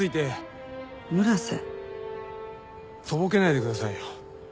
とぼけないでくださいよ。